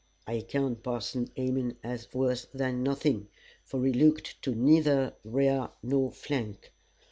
I count Parson Amen as worse than nothing, for he looked to neither rear nor flank.